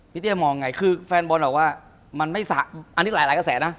พี่เตี้ยมองว่าไงคือแฟนบอลบอกว่าอันนี้หลายกระแสนะ